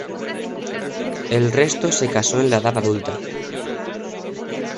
El resto se casó en la edad adulta.